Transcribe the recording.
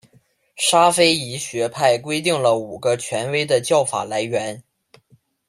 沙斐仪学派规定了五个权威的教法来源。